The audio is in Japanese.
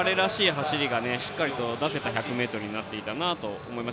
走りがしっかり出せた１００ｍになっていたと思います。